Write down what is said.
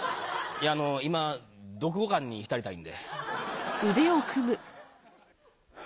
あの今読後感に浸りたいんで。